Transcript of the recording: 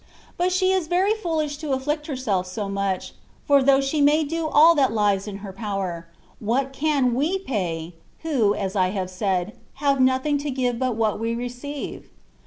But she is very fooUsh to afflict herself so much ; for though she may do aU that Ues in her power, what can we pay, who, as I have said, have nothing to give but what we receive?